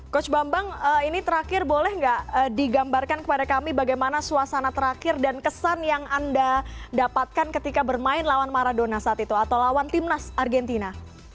coach bambang ini terakhir boleh nggak digambarkan kepada kami bagaimana suasana terakhir dan kesan yang anda dapatkan ketika bermain lawan maradona saat itu atau lawan timnas argentina